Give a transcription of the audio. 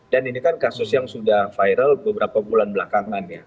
dan ini kan kasus yang sudah viral beberapa bulan belakangan ya